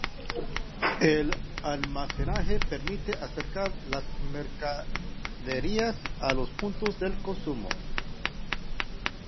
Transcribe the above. El almacenaje permite acercar las mercaderías a los puntos de consumo.